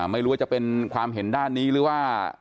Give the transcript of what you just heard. ไม่รู้ว่าจะเป็นความเห็นด้านนี้หรือว่า